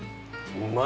うまい！